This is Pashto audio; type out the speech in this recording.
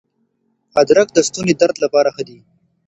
ادرک د ستوني درد لپاره ښه دی.